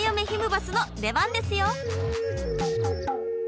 バスの出番ですよ！